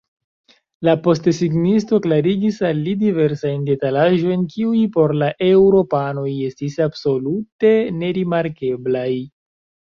La postesignisto klarigis al li diversajn detalaĵojn, kiuj por la eŭropanoj estis absolute nerimarkeblaj.